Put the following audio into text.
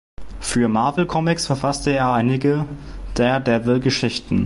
Für Marvel Comics verfasste er einige Daredevil-Geschichten.